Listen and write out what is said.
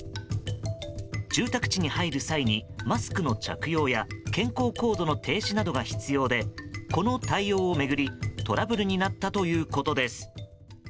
住宅地に入る際にマスクの着用や健康コードの提示などが必要でこの対応を巡り、トラブルになったということです。